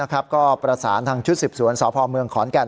ก็ประสานทางชุดสืบสวนสพเมืองขอนแก่น